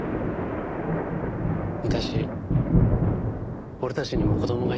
昔俺たちにも子供がいたんだ。